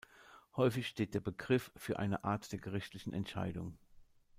Häufig steht der Begriff für eine Art der gerichtlichen Entscheidung.